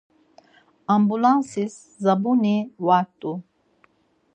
Ambulansis dzabuni va rt̆u.